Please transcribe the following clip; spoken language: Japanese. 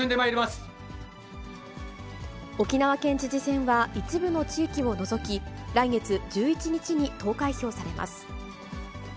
沖縄県知事選は、一部の地域を除き、来月１１日に投開票されます。